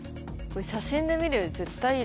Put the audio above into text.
写真で見るより絶対いい。